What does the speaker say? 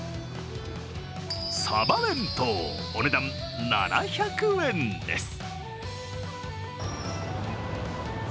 サバ弁当、お値段７００円です。